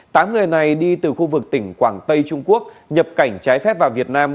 tám người này đi từ khu vực tỉnh quảng tây trung quốc nhập cảnh trái phép vào việt nam